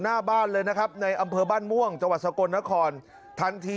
หน้าบ้านเลยนะครับในอำเภอบ้านม่วงจังหวัดสกลนครทันที